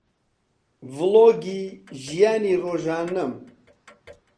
ڤڵۆگی ژیانی ڕۆژانەم